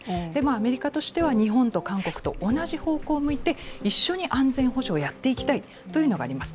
アメリカとしては日本と韓国と同じ方向を向いて一緒に安全保障をやっていきたいというのがあります。